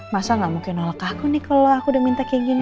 masa gak mungkin nolak aku nih kalau aku udah minta kayak gini